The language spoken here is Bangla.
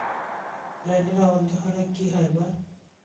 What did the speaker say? প্রাণীরা অন্ধ হলে কি হয়, মা?